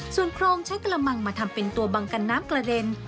ส่วนโครงใช้กระมังมาทำเป็นตัวบังกันน้ำกระเด็น